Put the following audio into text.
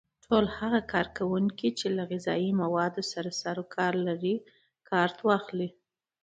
ټول هغه کارکوونکي چې له غذایي موادو سره سرو کار لري کارت واخلي.